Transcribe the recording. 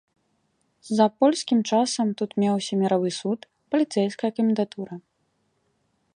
За польскім часам тут меўся міравы суд, паліцэйская камендатура.